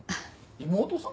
妹さん？